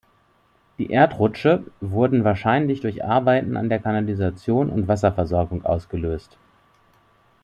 Die Erdrutsche wurden wahrscheinlich durch Arbeiten an der Kanalisation und Wasserversorgung ausgelöst.